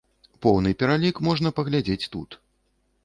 Поўны пералік можна паглядзець тут.